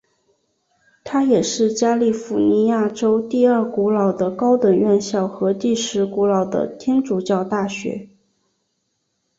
它也是加利福尼亚州第二古老的高等院校和第十古老的天主教大学。